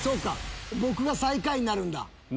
僕が最下位になるんだ。